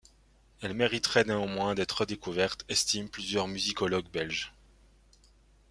Elle mériterait néanmoins d'être redécouverte, estiment plusieurs musicologues belges.